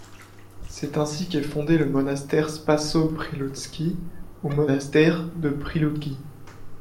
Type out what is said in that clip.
C'est ainsi qu'est fondé le monastère Spasso-Priloutsky ou monastère de Prilouki.